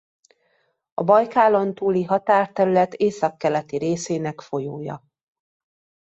A Bajkálontúli határterület északkeleti részének folyója.